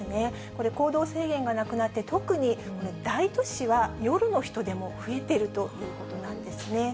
これ、行動制限がなくなって、特に大都市は夜の人出も増えているということなんですね。